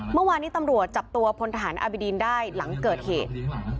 เมื่อวานนี้ตำรวจจับตัวพลทหารอบิดีนได้หลังเกิดเหตุ